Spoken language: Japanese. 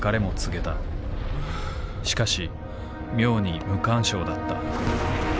しかし妙に無感傷だった。